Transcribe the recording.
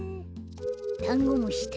だんごむしだ。